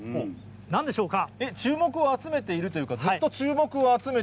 なんでしょうか。